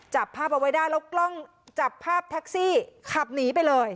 จับภาพเอาไว้ได้แล้วกล้องจับภาพแท็กซี่ขับหนีไปเลย